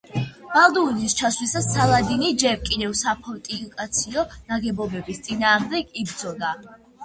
ბალდუინის ჩასვლისას სალადინი ჯერ კიდევ საფორტიფიკაციო ნაგებობების წინააღმდეგ იბრძოდა.